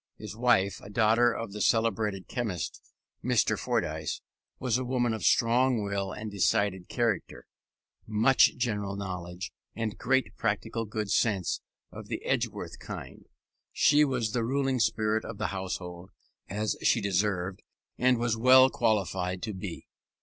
His wife, a daughter of the celebrated chemist, Dr. Fordyce, was a woman of strong will and decided character, much general knowledge, and great practical good sense of the Edgeworth kind: she was the ruling spirit of the household, as she deserved, and was well qualified, to be.